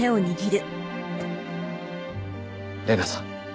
玲奈さん